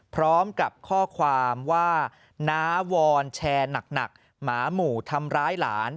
พร้อมกับข้อความว่าน้าวอนแชร์หนักหมาหมู่ทำร้ายหลาน